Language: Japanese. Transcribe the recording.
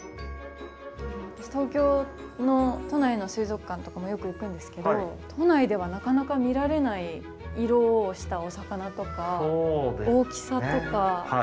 私東京の都内の水族館とかもよく行くんですけど都内ではなかなか見られない色をしたお魚とか大きさとか。